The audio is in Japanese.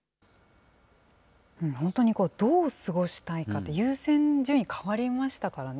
本当にどう過ごしたいかって、優先順位、変わりましたからね。